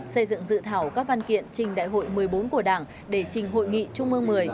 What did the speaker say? xây dựng dự thảo các văn kiện trình đại hội một mươi bốn của đảng để trình hội nghị trung mương một mươi